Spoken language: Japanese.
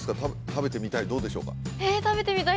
食べてみたいどうでしょうか？